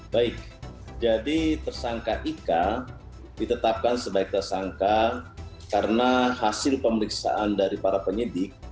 baik jadi tersangka ika ditetapkan sebagai tersangka karena hasil pemeriksaan dari para penyidik